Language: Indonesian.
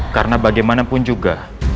karena bagaimanapun juga